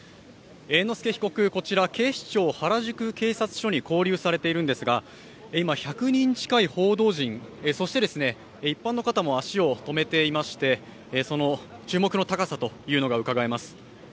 猿之助被告、こちら警視庁原宿警察署に勾留されているんですが今、１００人近い報道陣、そして一般の方も足を止めていましてその注目の高さというのがうかがえます。